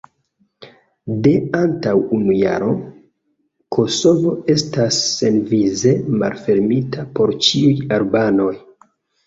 De antaŭ unu jaro, Kosovo estas senvize malfermita por ĉiuj albanoj.